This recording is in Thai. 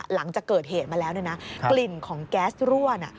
หลังจากเกิดเหตุมาแล้วเนี่ยนะกลิ่นของแก๊สรั่วน่ะ